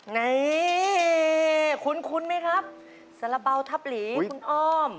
นี่คุ้นไหมครับสาระเป๋าทับหลีคุณอ้อม